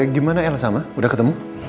gimana el sama udah ketemu